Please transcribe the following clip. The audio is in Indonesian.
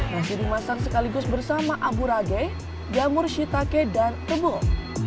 nasi dimasak sekaligus bersama abu rage jamur shitake dan tebul